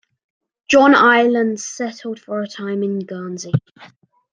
John Ireland settled for a time in Guernsey.